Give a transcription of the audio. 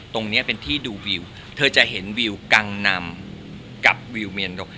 ตรงนี้เป็นที่ดูวิวเธอจะเห็นวิวกังนำกับวิวเมียนดก